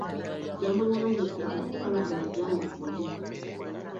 Yamulangide okukola amajaani ku mulimu.